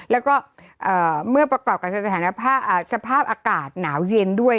แล้วก็เมื่อประกอบกับสถานภาพสภาพอากาศหนาวเย็นด้วย